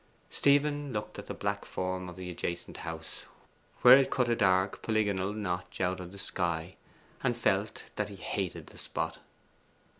Stephen looked at the black form of the adjacent house, where it cut a dark polygonal notch out of the sky, and felt that he hated the spot.